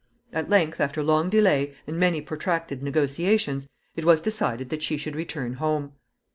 At length, after long delay, and many protracted negotiations, it was decided that she should return home.